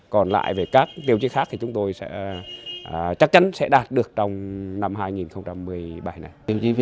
còn lại về các tiêu chí khác thì chúng tôi sẽ chắc chắn sẽ đạt được trong năm hai nghìn một mươi bảy này